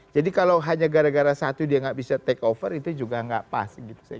jadi kalau hanya gara gara satu dia nggak bisa take over itu juga nggak pas